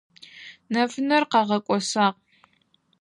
Нэфынэр къагъэкIосагъ.